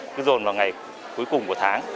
cứ dồn vào ngày cuối cùng của tháng